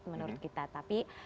menurut kita tapi